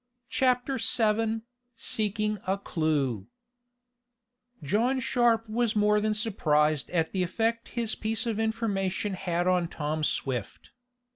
Chapter Seven Seeking a Clue John Sharp was more than surprised at the effect his piece of information had on Tom Swift.